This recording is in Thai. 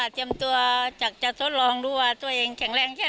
ตัวจากจะทดลองดูว่าตัวเองแข็งแรงแค่ไหน